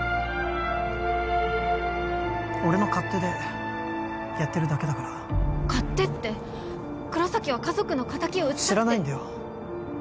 俺の勝手でやってるだけだから勝手って黒崎は家族の仇を討ちたくて知らないんだよ